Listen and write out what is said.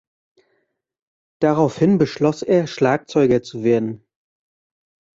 Daraufhin beschloss er Schlagzeuger zu werden.